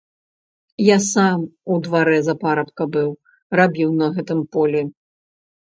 Я сам у дварэ за парабка быў, рабіў на гэтым полі.